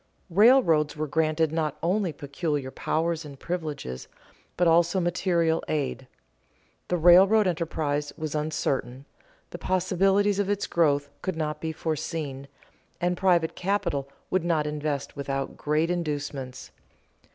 _ Railroads were granted not only peculiar powers and privileges, but also material aid. The railroad enterprise was uncertain, the possibilities of its growth could not be foreseen, and private capital would not invest without great inducements.